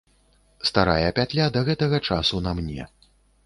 Старая пятля да гэтага часу на мне.